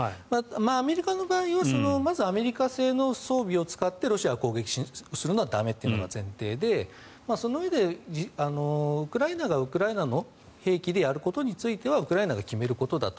アメリカの場合はまずアメリカ製の装備を使ってロシアを攻撃するのは駄目というのが前提でそのうえでウクライナがウクライナの兵器でやることについてはウクライナが決めることだと。